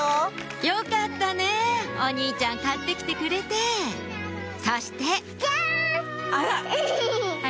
よかったねぇお兄ちゃん買って来てくれてそしてあら！